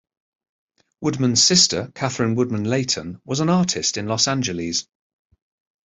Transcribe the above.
Woodman's sister, Kathryn Woodman Leighton, was an artist in Los Angeles.